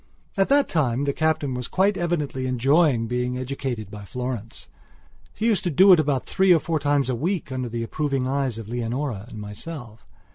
At that time the Captain was quite evidently enjoying being educated by Florence. She used to do it about three or four times a week under the approving eyes of Leonora and myself.